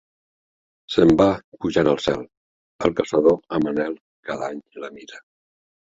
Se'n va pujant al cel... El caçador, amb anhel, cada any la mira.